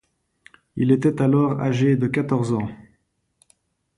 Il était alors âgé de quatorze ans.